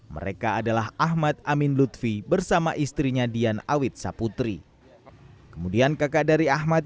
mereka adalah ahmad amin lutfi bersama istrinya dian awit saputri kemudian kakak dari ahmad